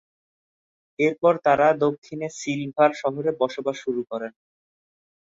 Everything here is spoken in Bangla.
এরপর তারা দক্ষিণের সিলভার শহরে বসবাস শুরু করেন।